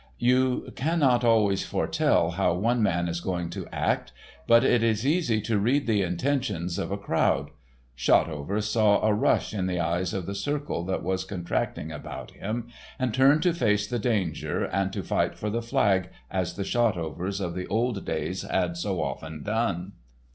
You can not always foretell how one man is going to act, but it is easy to read the intentions of a crowd. Shotover saw a rush in the eyes of the circle that was contracting about him, and turned to face the danger and to fight for the flag as the Shotovers of the old days had so often done.